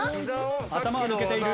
頭は抜けている。